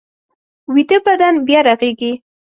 ویده بدن بیا رغېږي